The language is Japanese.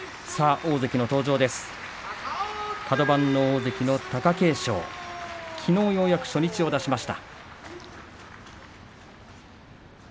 大関の貴景勝、きのうようやく初日を出しました。